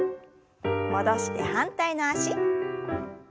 戻して反対の脚。